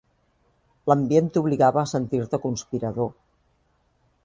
L'ambient t'obligava a sentir-te conspirador